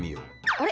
あれ！